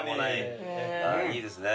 いいですね。